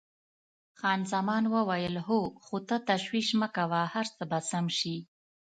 خان زمان وویل: هو، خو ته تشویش مه کوه، هر څه به سم شي.